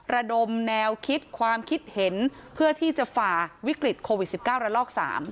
ระดมแนวคิดความคิดเห็นเพื่อที่จะฝ่าวิกฤตโควิด๑๙ระลอก๓